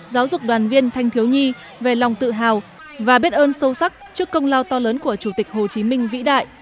giáo dục đoàn viên thanh thiếu nhi về lòng tự hào và biết ơn sâu sắc trước công lao to lớn của chủ tịch hồ chí minh vĩ đại